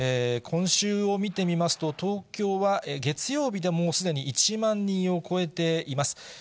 今週を見てみますと、東京は月曜日でもうすでに１万人を超えています。